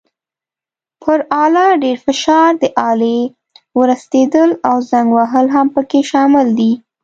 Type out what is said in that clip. پر آله ډېر فشار، د آلې ورستېدل او زنګ وهل هم پکې شامل دي.